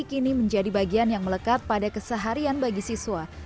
kini menjadi bagian yang melekat pada keseharian bagi siswa